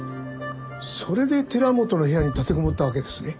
それで寺本の部屋に立てこもったわけですね？